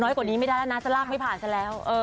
กว่านี้ไม่ได้แล้วนะจะลากไม่ผ่านซะแล้ว